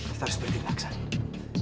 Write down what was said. kita harus berdikkat